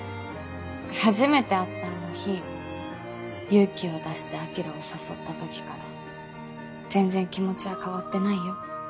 初めて会ったあの日勇気を出して晶を誘ったときから全然気持ちは変わってないよ。